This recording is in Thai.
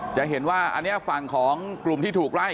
จะเห็นว่าอันนี้ฝั่งของกลุ่มที่ถูกไล่